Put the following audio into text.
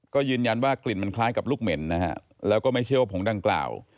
ก็ยืนยันว่ากลิ่นมันคล้ายกับลูกเหม็นนะฮะแล้วก็ไม่เชื่อว่าผงดังกล่าว